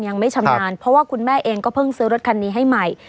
ยังไม่ชำนาญเพราะว่าคุณแม่เองก็เพิ่งซื้อรถคันนี้ให้ใหม่